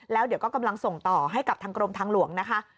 แล้วเดี๋ยวก็กำลังส่งต่อให้กับทางกรมทางหลวงนะคะ